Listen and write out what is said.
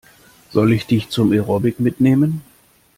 Soll ich dich zum Aerobic mitnehmen?